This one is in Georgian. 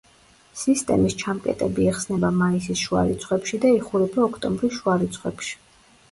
სისტემის ჩამკეტები იხსნება მაისის შუა რიცხვებში და იხურება ოქტომბრის შუა რიცხვებში.